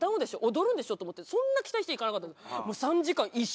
踊るんでしょと思ってそんな期待して行かなかった３時間一瞬！